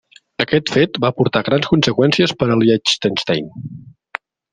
Aquest fet va portar grans conseqüències per a Liechtenstein.